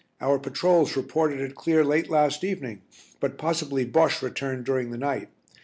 Our patrols reported it clear late last evening, but possibly Bosche returned during the night.